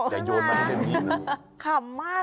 อย่าโยนมา